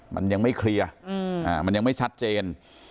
มันยังไม่เคลียร์มันยังไม่ชัดเจน